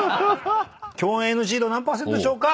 共演ＮＧ度何％でしょうか？